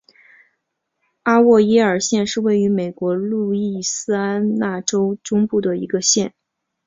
阿沃耶尔县是位于美国路易斯安那州中部的一个县。